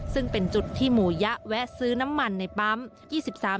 ซึ่งเป็นจุดที่หมู่ยะแวะซื้อน้ำมันในปั๊ม